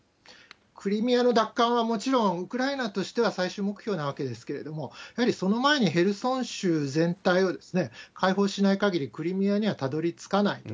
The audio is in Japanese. クリミアの奪還は、もちろんウクライナとしては最終目標なわけですけれども、やはりその前にヘルソン州全体を解放しないかぎりクリミアにはたどりつかないと。